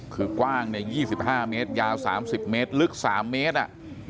คือกว้าง๒๕เมตรยาว๓๐เมตรลึก๓เมตร